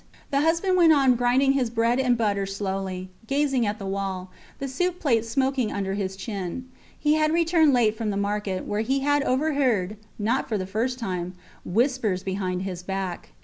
The husband went on grinding his bread and butter slowly, gazing at the wall, the soup plate smoking under his chin. He had returned late from the market, where he had overheard (not for the first time) whispers behind his back.